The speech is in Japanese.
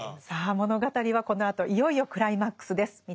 さあ物語はこのあといよいよクライマックスです。